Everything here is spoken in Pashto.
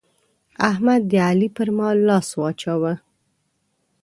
احمد د علي پر مال لاس واچاوو.